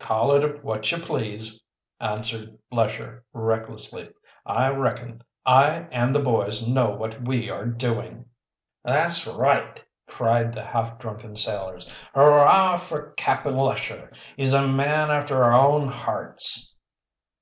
"Call it what you please," answered Lesher recklessly. "I reckon I and the boys know what we are doing!" "That's right!" cried the half drunken sailors. "Hurrah for Cap'n Lesher. He's a man after our own hearts!"